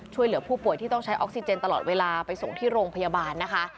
ช่วยเหลือผู้ป่วยที่ต้องใช้ออกซิเจนตลอดเวลาไปส่งที่โรงพยาบาลนะคะ